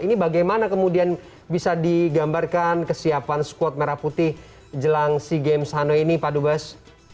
ini bagaimana kemudian bisa digambarkan kesiapan squad merah putih jelang sea games hanoi ini pak dubes